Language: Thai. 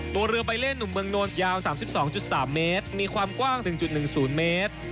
ตัวเรือใบเล่นหนุ่มเมืองโน้นยาว๓๒๓เมตรมีความกว้าง๑๑๐เมตร